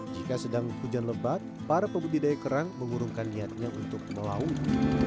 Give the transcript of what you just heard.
jika sedang hujan lebat para pembudidaya kerang mengurungkan niatnya untuk melaut